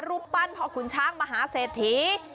รูปปั้นพ่อขุนช้างมหาเศรษฐี